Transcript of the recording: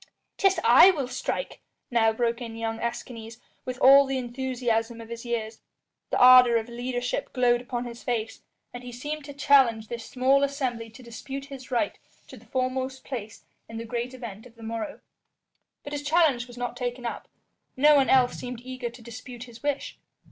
"'Tis I will strike," now broke in young Escanes, with all the enthusiasm of his years. The ardour of leadership glowed upon his face, and he seemed to challenge this small assembly to dispute his right to the foremost place in the great event of the morrow. But his challenge was not taken up; no one else seemed eager to dispute his wish.